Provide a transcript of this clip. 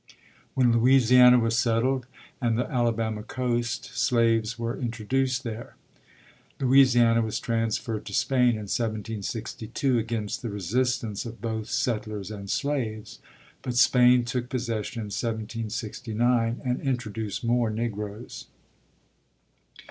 When Louisiana was settled and the Alabama coast, slaves were introduced there. Louisiana was transferred to Spain in 1762, against the resistance of both settlers and slaves, but Spain took possession in 1769 and introduced more Negroes.